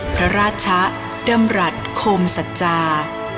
พระราชะดำรัฐโคมสัจจา